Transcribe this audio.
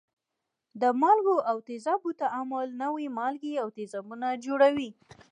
د مالګو او تیزابو تعامل نوي مالګې او تیزابونه جوړوي.